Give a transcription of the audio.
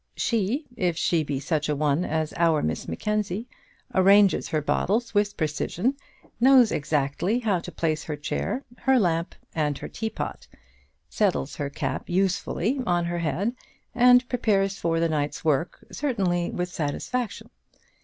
She, if she be such a one as our Miss Mackenzie, arranges her bottles with precision; knows exactly how to place her chair, her lamp, and her teapot; settles her cap usefully on her head, and prepares for the night's work certainly with satisfaction.